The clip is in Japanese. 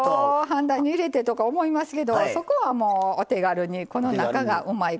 飯台に入れてとか思いますけどそこはもうお手軽にこの中がうまいこと。